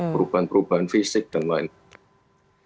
perubahan perubahan fisik dan lain lain